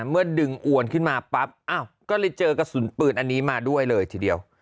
เมื่อดึงอวนขึ้นมาปั๊บก็เลยเจอกระสุนปืนอันนี้มาด้วยเลยทีเดียว